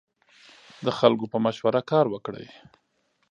د خلکو په مشوره کار وکړئ.